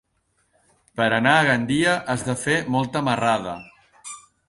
Per anar a Gandia has de fer molta marrada.